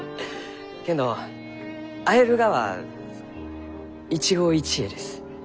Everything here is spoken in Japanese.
けんど会えるがは一期一会です。